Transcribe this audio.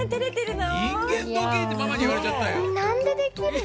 なんでできるの？